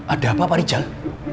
ada apa pak rijal